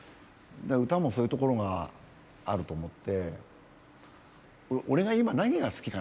歌もそういうところがあると思って。